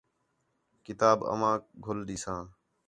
کتاب آوانک گھل ݙیساں